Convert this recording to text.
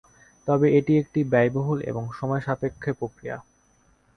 তবে এটি একটি ব্যয়বহুল এবং সময় সাপেক্ষে প্রক্রিয়া।